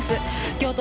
京都